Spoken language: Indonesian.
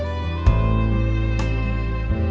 aku mau ke sana